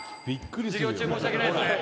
「授業中申し訳ないですね」